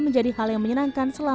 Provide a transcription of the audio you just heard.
lebih senang mengambil ya